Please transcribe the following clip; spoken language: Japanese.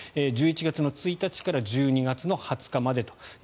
１１月１日から１２月２０日までと。